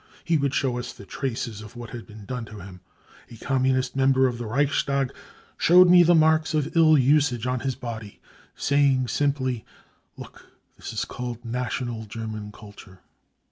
He would show us the traces of what had been done to him. A Communist member of the Reichstag showed me the marks of ill usage on his body, saying simply :' Look, this is called national German . culture.